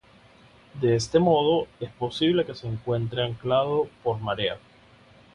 De este modo, es posible que se encuentre anclado por marea.